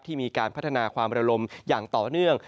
มีการพัฒนาความระลมอย่างต่อเนื่อง